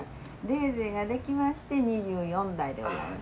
冷泉が出来まして２４代でございます。